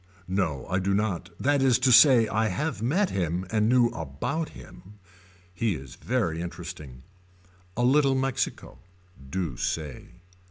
No I do not that is to say I have met him and knew about him. He is very interesting. A little Mexico. Do say.